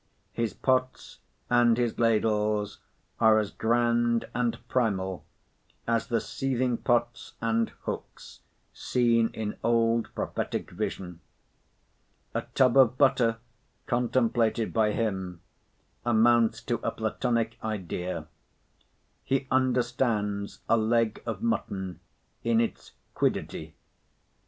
His pots and his ladles are as grand and primal as the seething pots and hooks seen in old prophetic vision. A tub of butter, contemplated by him, amounts to a Platonic idea. He understands a leg of mutton in its quiddity.